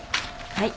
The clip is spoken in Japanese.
はい。